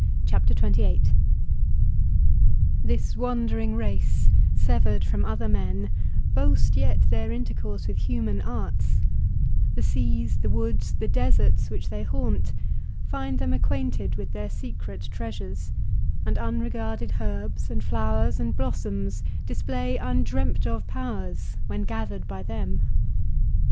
CHAPTER XXVIII This wandering race, sever'd from other men, Boast yet their intercourse with human arts; The seas, the woods, the deserts, which they haunt, Find them acquainted with their secret treasures: And unregarded herbs, and flowers, and blossoms, Display undreamt of powers when gather'd by them.